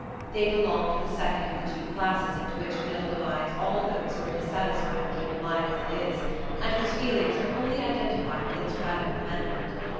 They belonged to the second of the two classes into which Mill divides all those who are dissatisfied with human life as it is, and whose feelings are wholly identified with its radical amendment.